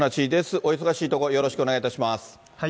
お忙しいところ、よろしくお願いします。